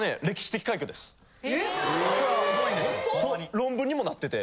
論文にもなってて。